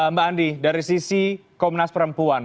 mbak andi dari sisi komnas perempuan